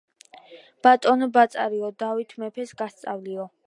ბატონო ბაწარიო, დავით მეფეს გასწავლიო